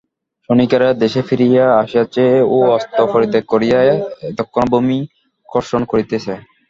সৈনিকেরা দেশে ফিরিয়া আসিয়াছে ও অস্ত্র পরিত্যাগ করিয়া এক্ষণে ভূমি কর্ষণ করিতেছে।